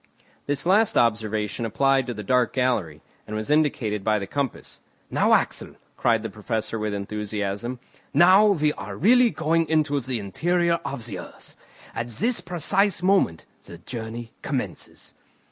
This last observation applied to the dark gallery, and was indicated by the compass. "Now, Axel," cried the Professor with enthusiasm, "now we are really going into the interior of the earth. At this precise moment the journey commences."